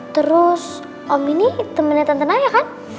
terus om ini temennya tante naya kan